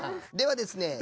ではですね